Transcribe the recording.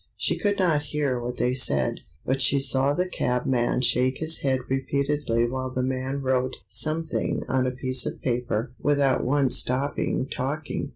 She could not hear what they said, but she saw the cabman shake his head repeatedly while the man wrote something on a piece of paper without once stopping talking.